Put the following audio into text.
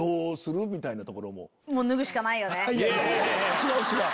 違う違う。